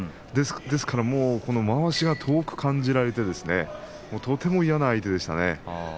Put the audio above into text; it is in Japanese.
ですからまわしが遠く感じられてとても嫌な相手でした。